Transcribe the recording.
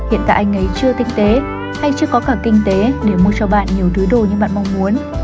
anh ấy chưa tinh tế hay chưa có cả kinh tế để mua cho bạn nhiều đứa đồ như bạn mong muốn